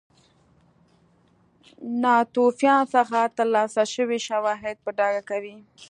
ناتوفیان څخه ترلاسه شوي شواهد په ډاګه کوي.